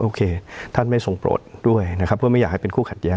โอเคท่านไม่ทรงโปรดด้วยนะครับเพื่อไม่อยากให้เป็นคู่ขัดแย้